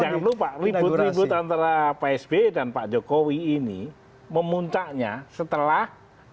jangan lupa ribut ribut antara pak s b dan pak jokowi ini memuntaknya setelah